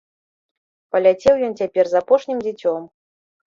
Паляцеў ён цяпер з апошнім дзіцем.